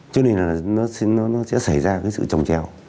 cho nên là nó sẽ xảy ra cái sự trồng trèo